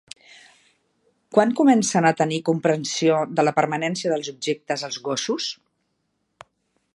Quan comencen a tenir comprensió de la permanència dels objectes els gossos?